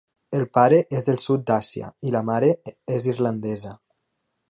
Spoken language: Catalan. El pare és del sud d'Àsia i la mare és irlandesa.